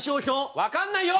わかんないよ！